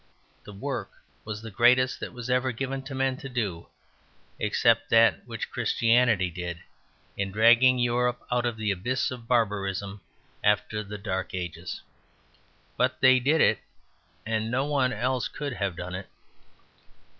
The work was the greatest that was ever given to men to do except that which Christianity did in dragging Europe out of the abyss of barbarism after the Dark Ages. But they did it, and no one else could have done it.